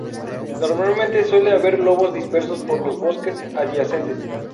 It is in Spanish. Normalmente suele haber lobos dispersos por los bosques adyacentes.